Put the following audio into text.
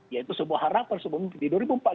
yaitu sebuah harapan sebuah mumpuni